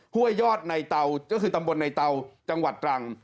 ห้วยยอดในเตาก็คือตำบลในเตาจังหวัดตรัง